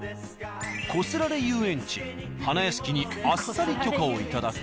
こすられ遊園地花やしきにあっさり許可を頂き。